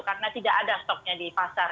karena tidak ada stoknya di pasar